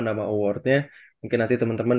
nama awardnya mungkin nanti teman teman